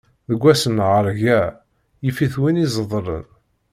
Deg wass n lɣeṛga, yif-it win izedlen.